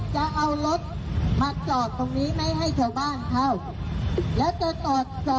ชามไว้ให้ดูภารกิจ